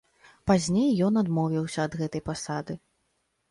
Пазней ён адмовіўся ад гэтай пасады.